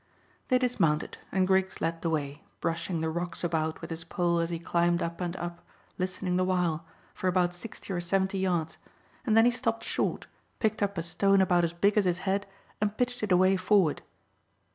They dismounted, and Griggs led the way, brushing the rocks about with his pole as he climbed up and up, listening the while, for about sixty or seventy yards, and then he stopped short, picked up a stone about as big as his head, and pitched it away forward.